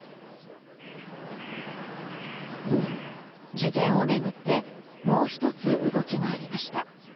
事件を巡ってもう１つ動きがありました。